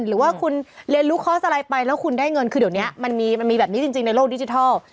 หรือว่าคุณเรียนรู้คอร์สอะไรไปแล้วคุณได้เงินคือเดี๋ยวนี้มันมีแบบนี้จริงในโลกดิจิทัล